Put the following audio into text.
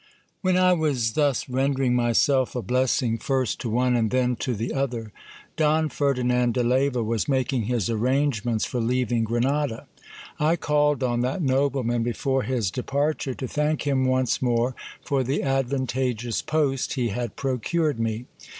While I was thus rendering myself a blessing first to one and then to the other, Don Ferdinand de Leyva was making his arrangements for leaving I Grenada. I called on that nobleman before his departure, to thank him once : more for the advantageous post he had procured me.